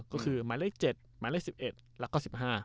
ก็คือหมายเลข๗หมายเลข๑๑แล้วก็๑๕